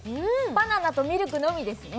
バナナとミルクのみですね